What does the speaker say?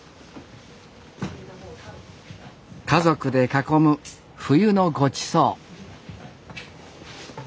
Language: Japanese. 家族で囲む冬のごちそう。